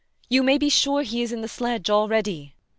You may be sure he is in the sledge already.